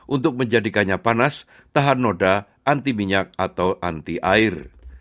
untuk menjadikannya panas tahan noda anti minyak atau anti air